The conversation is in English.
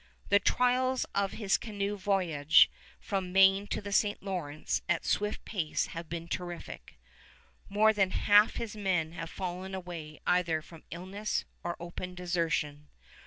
The trials of his canoe voyage from Maine to the St. Lawrence at swift pace have been terrific. More than half his men have fallen away either from illness or open desertion.